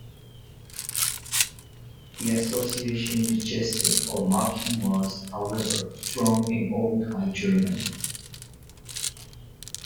The association with jesting or mocking was, however, strong in Old High German.